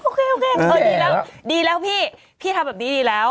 โอเคโอเคดีแล้วดีแล้วพี่พี่ทำแบบนี้ดีแล้ว